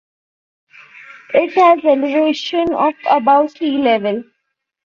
It has elevation of above sea level.